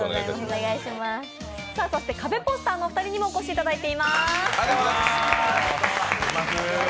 そしてカベポスターのお二人にもお越しいただいています。